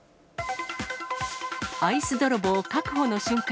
アイス泥棒確保の瞬間。